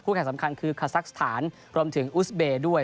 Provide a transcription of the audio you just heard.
แข่งสำคัญคือคาซักสถานรวมถึงอุสเบย์ด้วย